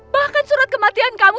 bahkan surat kematian kamu